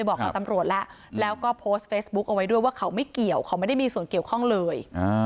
บอกกับตำรวจแล้วแล้วก็โพสต์เฟซบุ๊คเอาไว้ด้วยว่าเขาไม่เกี่ยวเขาไม่ได้มีส่วนเกี่ยวข้องเลย